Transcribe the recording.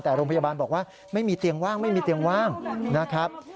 แต่โรงพยาบาลบอกว่าไม่มีเตียงว่างไม่มีเตียงว่างนะครับ